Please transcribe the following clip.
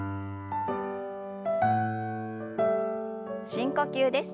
深呼吸です。